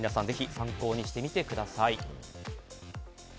ぜひ参考にしてみてください。